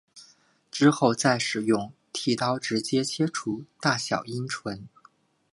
之后再使用剃刀直接切除大小阴唇。